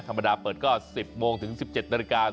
ธรรมดาเปิดก็๑๐โมงถึง๑๗นาฬิกา